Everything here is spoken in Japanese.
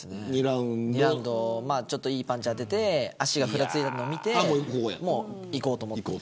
２ラウンド、いいパンチ当てて足がふらついていたの見てもういこうと思って。